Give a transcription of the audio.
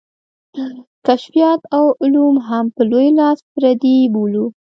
کشفیات او علوم هم په لوی لاس پردي بولو.